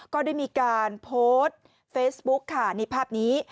ก็ได้มีการโพสต์เฟซบุ๊กค่ะนี่ภาพนี้